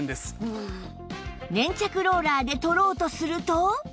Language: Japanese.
粘着ローラーで取ろうとすると